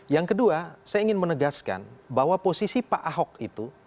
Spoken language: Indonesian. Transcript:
yang kedua saya ingin menegaskan bahwa posisi pak ahok itu